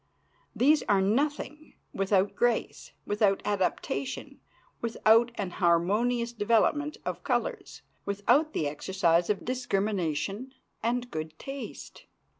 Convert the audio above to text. These are as nothing without grace, without adaptation, without an harmonious development of colors, without the exercise of discrimination and good taste.